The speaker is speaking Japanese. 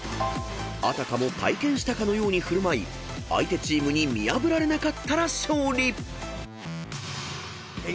［あたかも体験したかのように振る舞い相手チームに見破られなかったら勝利］